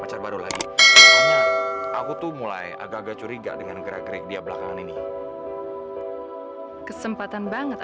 sampai jumpa di video selanjutnya